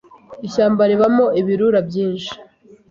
Ishyamba ribamo ibirura byinshi